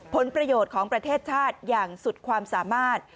ผลประโยชน์ของประเทศชาติอย่างสุดความสามารถ